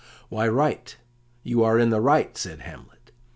"Why, right; you are in the right," said Hamlet.